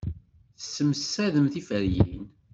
Tessemsadem tiferyin.